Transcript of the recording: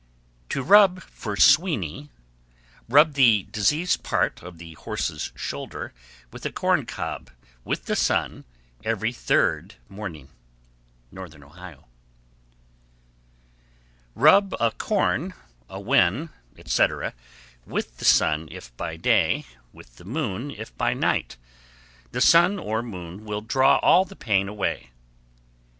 To rub for "sweeney." Rub the diseased part of the horse's shoulder with a corn cob with the sun every third morning. Northern Ohio. 1154. Rub a corn, a wen, etc., with the sun if by day, with the moon if by night. The sun or moon will draw all the pain away.